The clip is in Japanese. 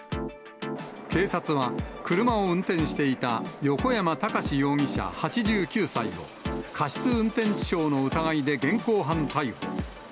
警察は、車を運転していた横山孝容疑者８９歳を、過失運転致傷の疑いで現行犯逮捕。